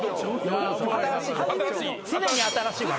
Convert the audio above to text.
常に新しい笑い。